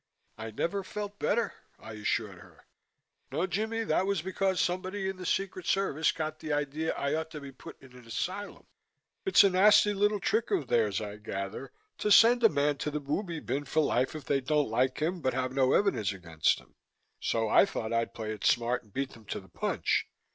"I never felt better," I assured her. "No, Jimmy, that was because somebody in the Secret Service got the idea that I ought to be put in an asylum. It's a nasty little trick of theirs, I gather, to send a man to the booby bin for life if they don't like him but have no evidence against him. So I thought I'd play it smart and beat them to the punch.